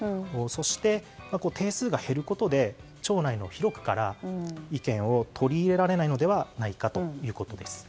そして、定数が減ることで町内の広くから意見を取り入れられないのではないかということです。